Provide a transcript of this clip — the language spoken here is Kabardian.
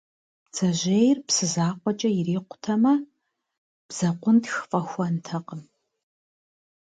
Бдзэжьейр псы закъуэкӏэ ирикъутэмэ бдзэкъунтх фӏэхуэнтэкъым.